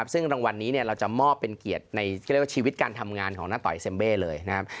ซึ่งรางวัลนี้เราจะมอบเป็นเกียรติในชีวิตการทำงานของน้านต่อยเซ็มเบร์เลย